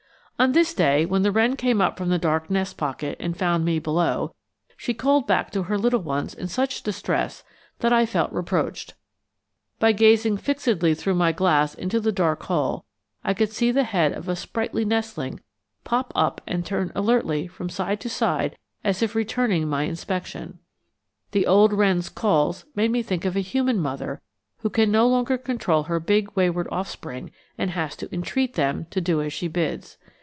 On this day, when the wren came up from the dark nest pocket and found me below, she called back to her little ones in such distress that I felt reproached. By gazing fixedly through my glass into the dark hole I could see the head of a sprightly nestling pop up and turn alertly from side to side as if returning my inspection. The old wren's calls made me think of a human mother who can no longer control her big wayward offspring and has to entreat them to do as she bids.